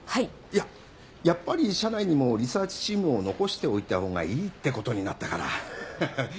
いややっぱり社内にもリサーチチームを残しておいたほうがいいってことになったからハハっ。